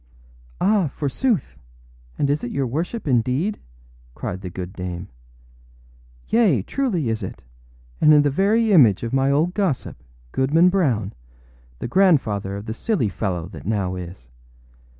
âAh, forsooth, and is it your worship indeed?â cried the good dame. âYea, truly is it, and in the very image of my old gossip, Goodman Brown, the grandfather of the silly fellow that now is.